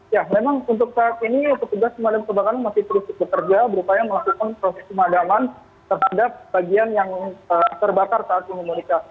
ya memang untuk saat ini petugas pemadam kebakaran masih terus bekerja berupaya melakukan proses pemadaman terhadap bagian yang terbakar saat ini monika